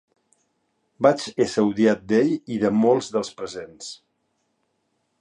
Vaig ésser odiat d'ell i de molts dels presents.